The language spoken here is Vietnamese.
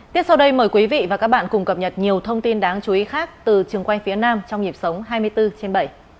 tiếp sau đây mời quý vị và các bạn cùng cập nhật nhiều thông tin đáng chú ý khác từ trường quay phía nam trong nhịp sống hai mươi bốn trên bảy